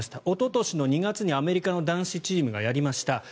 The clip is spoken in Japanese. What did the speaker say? おととし２月にアメリカの男子チームがやりました。